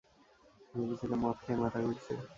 ভেবেছিলাম মদ খেয়ে মাথা ঘুরছে।